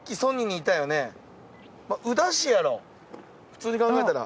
普通に考えたら。